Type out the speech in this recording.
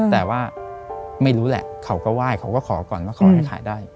แต่ว่าไม่รู้แหละเขาก็ไหว้เขาก็ขอก่อนว่าขอให้ขายได้